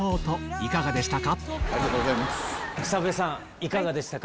いかがでしたか？